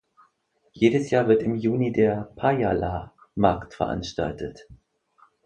Jedes Jahr wird im Juni der Pajala-Markt veranstaltet.